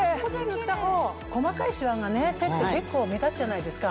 細かいシワがね手って結構目立つじゃないですか。